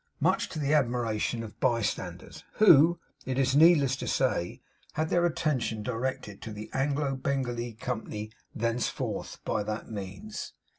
much to the admiration of the bystanders, who, it is needless to say, had their attention directed to the Anglo Bengalee Company thenceforth, by that means.